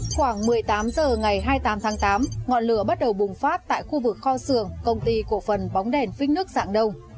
khoảng một mươi tám h ngày hai mươi tám tháng tám ngọn lửa bắt đầu bùng phát tại khu vực kho xưởng công ty cổ phần bóng đèn phích nước dạng đông